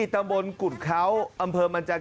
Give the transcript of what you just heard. ตำบลกุ่นเค้าอำเภอมันจาก